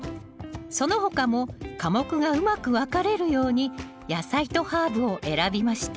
その他も科目がうまく分かれるように野菜とハーブを選びました